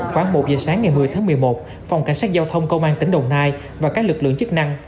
khoảng một giờ sáng ngày một mươi tháng một mươi một phòng cảnh sát giao thông công an tỉnh đồng nai và các lực lượng chức năng